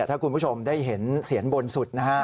ถ้าคุณผู้ชมได้เห็นเสียงบนสุดนะฮะ